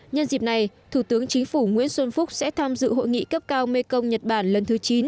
nhân dịp này thủ tướng chính phủ nguyễn xuân phúc sẽ tham dự hội nghị cấp cao mekong nhật bản lần thứ chín